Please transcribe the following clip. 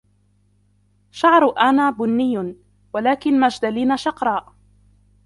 شعر أنّا بُني, ولكن ماجدالينا شَقراء.